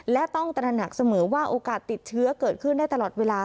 และต้องตระหนักเสมอว่าโอกาสติดเชื้อเกิดขึ้นได้ตลอดเวลา